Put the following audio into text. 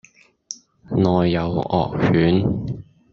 內有惡犬